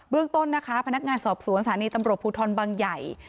เรื่องต้นนะคะพนักงานสอบสวนสถานีตำรวจภูทรบางใหญ่